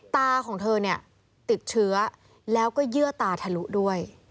ตาของเธอมีเฉื้อแล้วก็เยื่อตาทะลุด้วย